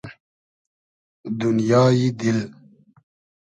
دونیای دیل